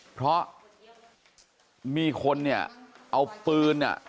เพราะมีคนนี่เอาปืน